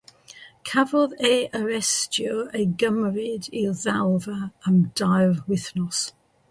Cafodd ei arestio a'i gymryd i'r ddalfa am dair wythnos.